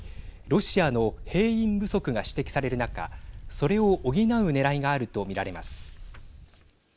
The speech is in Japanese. ロシアの兵員不足が指摘される中それを補うねらいがあると見られます。